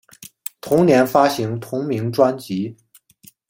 同年发行同名专辑。